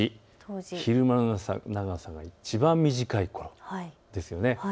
昼間の長さがいちばん長いころですね。